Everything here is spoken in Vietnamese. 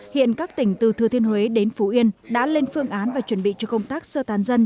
hiện các tỉnh từ thừa thiên huế đến phú yên đã lên phương án và chuẩn bị cho công tác sơ tán dân